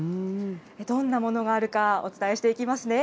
どんなものがあるか、お伝えしていきますね。